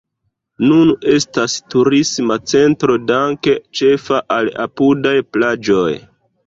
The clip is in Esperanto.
Nun estas turisma centro danke ĉefa al apudaj plaĝoj.